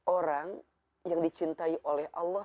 orang yang dicintai oleh allah